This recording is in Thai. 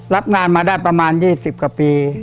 รับงานมาได้ประมาณ๒๐กว่าปี